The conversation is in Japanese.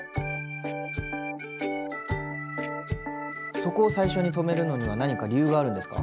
そこを最初に留めるのには何か理由があるんですか？